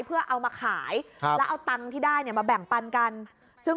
เพื่อเอามาขายแล้วเอาตังค์ที่ได้มาแบ่งปันกัน